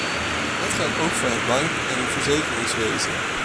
Dat geldt ook voor het bank- en verzekeringswezen.